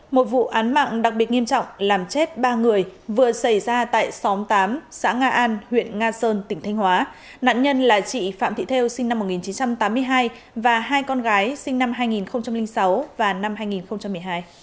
một vụ án mạng đặc biệt nghiêm trọng làm chết ba người vừa xảy ra tại xóm tám xã nga an huyện nga sơn tỉnh thanh hóa nạn nhân là chị phạm thị theo sinh năm một nghìn chín trăm tám mươi hai và hai con gái sinh năm hai nghìn sáu và năm hai nghìn một mươi hai